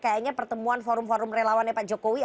kayaknya pertemuan forum forum relawannya pak jokowi